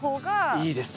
いいです。